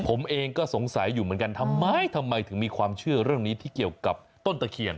ผมเองก็สงสัยอยู่เหมือนกันทำไมทำไมถึงมีความเชื่อเรื่องนี้ที่เกี่ยวกับต้นตะเคียน